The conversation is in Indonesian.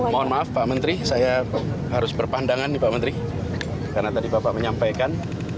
mohon maaf pak menteri saya harus berpandangan nih pak menteri karena tadi bapak menyampaikan